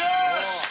よし！